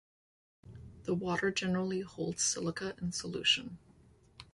The water generally holds silica in solution.